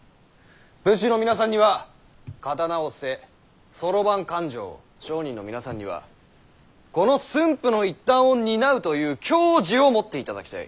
武士の皆さんには刀を捨て算盤勘定を商人の皆さんにはこの駿府の一端を担うという矜持を持っていただきたい。